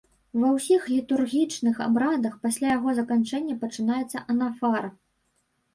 Ва ўсіх літургічных абрадах пасля яго заканчэння пачынаецца анафара.